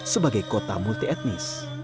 sebagai kota multi etnis